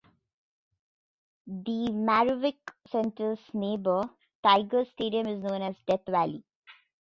The Maravich Center's neighbor, Tiger Stadium is known as "Death Valley".